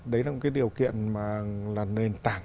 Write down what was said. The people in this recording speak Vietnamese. đấy là một cái điều kiện mà là nền tảng